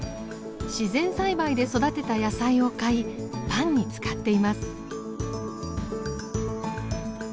自然栽培で育てた野菜を買いパンに使っています。